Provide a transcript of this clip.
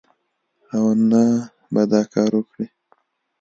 او نه به دا کار وکړي